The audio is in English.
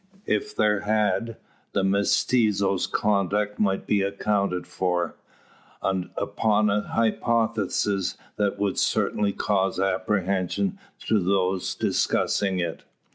If there had, the mestizo's conduct might be accounted for, upon an hypothesis that would certainly cause apprehension to those discussing it.